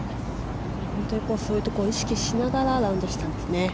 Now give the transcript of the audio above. そういうところを意識しながらラウンドしていたんですね。